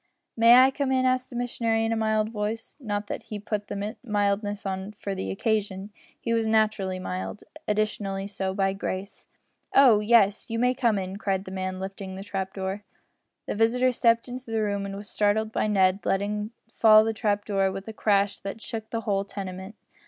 "May I come in?" asked the missionary in a mild voice not that he put the mildness on for the occasion. He was naturally mild additionally so by grace. "Oh! yes you may come in," cried the man, lifting the trap door. The visitor stepped into the room and was startled by Ned letting fall the trap door with a crash that shook the whole tenement.